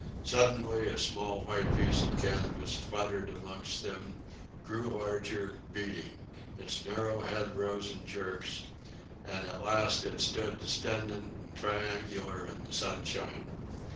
Suddenly a small white piece of canvas fluttered amongst them, grew larger, beating. Its narrow head rose in jerks and at last it stood distended and triangular in the sunshine.